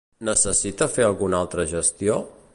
Necessita fer alguna altra gestió?